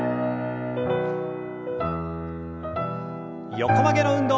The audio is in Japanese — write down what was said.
横曲げの運動。